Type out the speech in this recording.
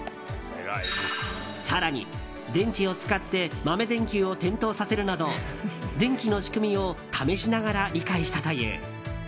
更に、電池を使って豆電球を点灯させるなど電気の仕組みを試しながら理解したという。